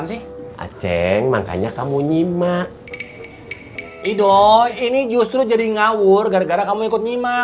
sampai jumpa di video selanjutnya